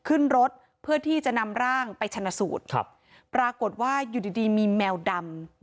ขึ้นรถเพื่อที่จะนำร่างไปชนะสูตรครับปรากฏว่าอยู่ดีดีมีแมวดำ